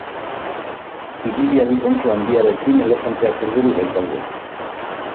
Ibil hadi kontu handiarekin elefanteak urduri baitaude.